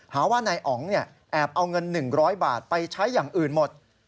หาว่านายอ๋องแอบเอาเงิน๑๐๐บาทไปใช้อย่างอื่นหมด